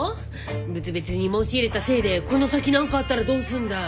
仏滅に申し入れたせいでこの先何かあったらどうすんだい？